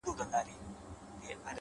لوړ همت ماتې نه مني.!